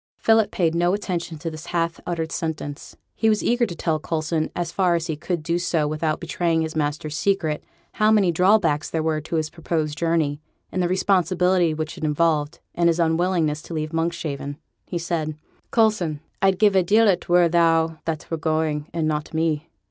Philip paid no attention to this half uttered sentence; he was eager to tell Coulson, as far as he could do so without betraying his master's secret, how many drawbacks there were to his proposed journey, in the responsibility which it involved, and his unwillingness to leave Monkshaven: he said 'Coulson, I'd give a deal it were thou that were going, and not me.